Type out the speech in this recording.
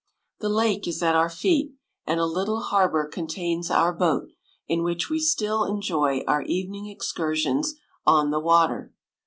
The lake is at our feet, and a little har bour contains our boat, in which we still enjoy our evening excursions on the water.